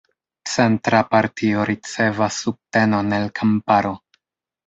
Centra partio ricevas subtenon el kamparo.